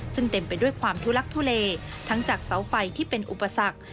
ซึ่งเต็มไปด้วยความทุลักทุเลทั้งจากเสาไฟที่เป็นอุปสรรค